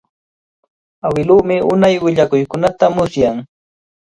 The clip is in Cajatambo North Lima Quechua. Awiluumi unay willakuykunata musyan.